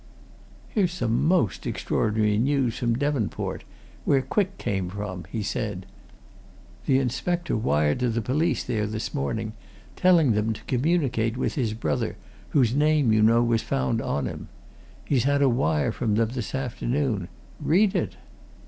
"Here's some most extraordinary news from Devonport where Quick came from," he said. "The inspector wired to the police there this morning, telling them to communicate with his brother, whose name, you know, was found on him. He's had a wire from them this afternoon read it!"